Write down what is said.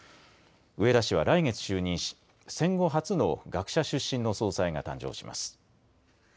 植田氏は来月就任し、戦後初の学者出身の総裁が誕生します。